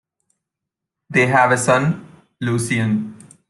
They have a son, Lucien.